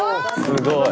すごい。